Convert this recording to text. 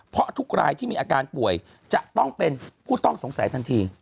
เพราะทุกรายที่มีอาการป่วยจะต้องเป็นผู้ต้องสงสัยทันที